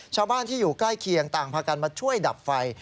ชาวบ้านที่อยู่ใกล้เคียงต่างพากันมาช่วยดับไฟ